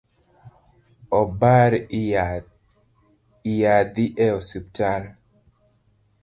Obar i nyathi e osiptal